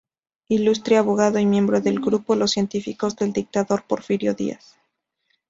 Ilustre abogado y miembro del grupo Los Científicos del dictador Porfirio Díaz.